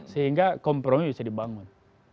sehingga kompromi bisa dibangun